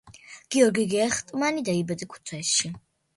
გიორგი გეხტმანი დაიბადა ქუთაისში.